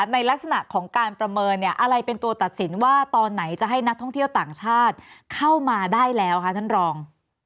ในลักษณะของการประเมินเนี่ยอะไรเป็นตัวตัดสินว่าตอนไหนจะให้นักท่องเที่ยวต่างชาติเข้ามาได้แล้วคะท่านรอง